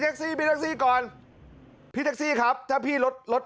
ทักซีพี่ทักซีก่อนพี่ทักซีครับถ้าพี่รถรถ